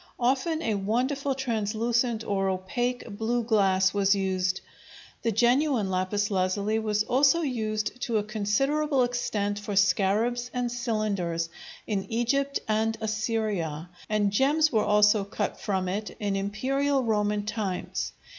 Often a wonderful translucent or opaque blue glass was used. The genuine lapis lazuli was also used to a considerable extent for scarabs and cylinders, in Egypt and Assyria, and gems were also cut from it in imperial Roman times.